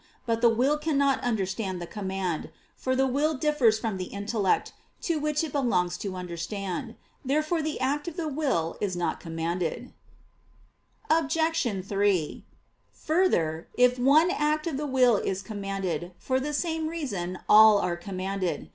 But the will cannot understand the command; for the will differs from the intellect, to which it belongs to understand. Therefore the act of the will is not commanded. Obj. 3: Further, if one act of the will is commanded, for the same reason all are commanded.